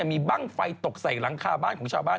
มีบ้างไฟตกใส่หลังคาบ้านของชาวบ้าน